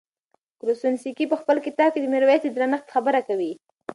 کروسنسکي په خپل کتاب کې د میرویس د درنښت خبره کوي.